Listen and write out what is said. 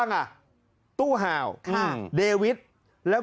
ขอโทษครับ